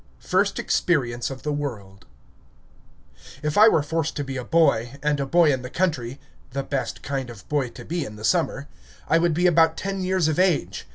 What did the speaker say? X. FIRST EXPERIENCE OF THE WORLD If I were forced to be a boy, and a boy in the country, the best kind of boy to be in the summer, I would be about ten years of age.